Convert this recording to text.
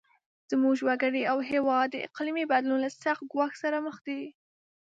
زموږ وګړي او هیواد د اقلیمي بدلون له سخت ګواښ سره مخ دي.